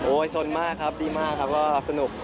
ชนมากครับดีมากครับก็สนุก